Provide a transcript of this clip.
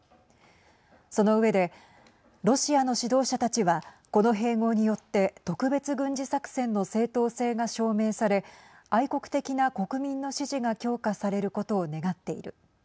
その上でロシアの指導者たちはこの併合によって特別軍事作戦の正当性が証明され愛国的な国民の支持が強化されることを願っている。